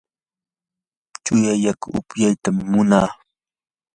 chuya yaku upyaytam munaa.